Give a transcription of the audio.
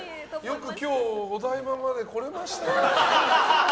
よく今日お台場まで来れましたね。